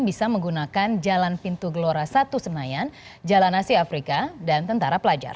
bisa menggunakan jalan pintu gelora satu senayan jalan asia afrika dan tentara pelajar